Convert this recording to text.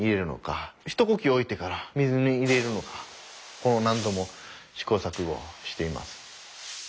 一呼吸置いてから水に入れるのか何度も試行錯誤をしています。